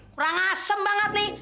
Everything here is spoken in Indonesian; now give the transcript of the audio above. kurang asem banget nih